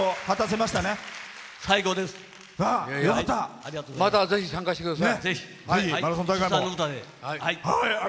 またぜひ参加してください。